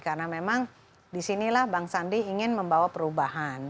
karena memang disinilah bang sandi ingin membawa perubahan